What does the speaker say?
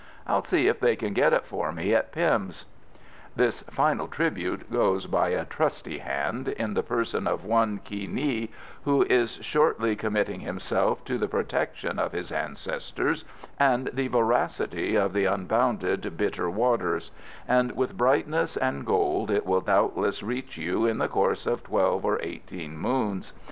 I'll see if they can get it for me at Pimm's." This filial tribute goes by a trusty hand, in the person of one Ki Nihy, who is shortly committing himself to the protection of his ancestors and the voracity of the unbounded Bitter Waters; and with brightness and gold it will doubtless reach you in the course of twelve or eighteen moons.